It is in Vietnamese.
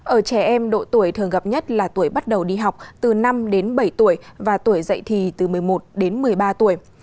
ở trẻ em độ tuổi thường gặp nhất là tuổi bắt đầu đi học từ năm đến bảy tuổi và tuổi dậy thì từ một mươi một đến một mươi ba tuổi